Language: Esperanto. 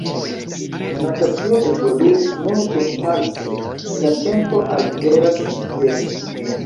La notacio evoluis nur dumpase de la tempo al vera "sistemo".